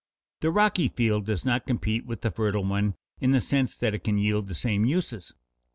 The rocky field does not compete with the fertile one in the sense that it can yield the same uses.